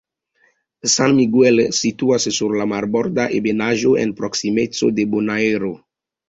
San Miguel situas sur la marborda ebenaĵo en proksimeco de Bonaero.